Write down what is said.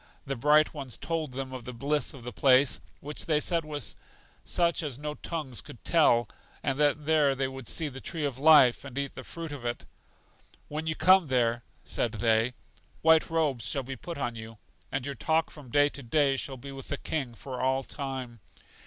The Bright Ones told them of the bliss of the place, which they said was such as no tongues could tell, and that there they would see the Tree of Life, and eat of the fruit of it. When you come there, said they, white robes will be put on you, and your talk from day to day shall be with the King for all time.